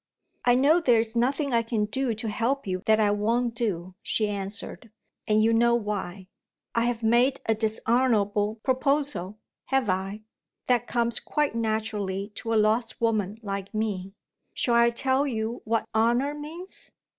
"I know there's nothing I can do to help you that I won't do," she answered; "and you know why. I have made a dishonourable proposal have I? That comes quite naturally to a lost woman like me. Shall I tell you what Honour means?